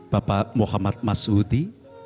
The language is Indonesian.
bapak muhammad mas udi